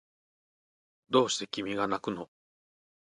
どうして君がなくの